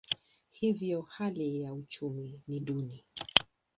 Hivyo hali ya uchumi ni duni.